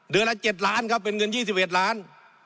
ละ๗ล้านครับเป็นเงิน๒๑ล้าน